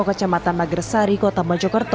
kecamatan magresari kota mojokerto